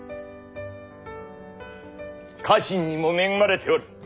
家臣にも恵まれておる。